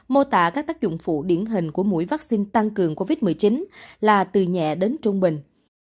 mô tả các tác dụng phụ điển hình của mũi vaccine tăng cường covid một mươi chín là từ nhẹ đến trung bình